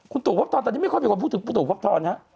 คุณตู่ภพธรตอนนี้ไม่ค่อยเป็นคนพูดถึงคุณตู่ภพธรนะ